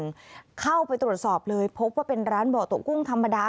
เหมือนกันเข้าไปตรวจสอบเลยพบว่าเป็นร้านเบาะตัวกุ้งธรรมดา